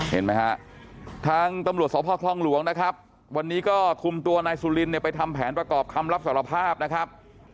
เห็นไหมฮะทางตำรวจสพคลองหลวงนะครับวันนี้ก็คุมตัวนายสุลินเนี่ยไปทำแผนประกอบคำรับสารภาพนะครับ